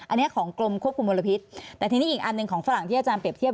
อันนี้ของกรมควบคุมมลพิษแต่ทีนี้อีกอันหนึ่งของฝรั่งที่อาจารย์เปรียบเทียบ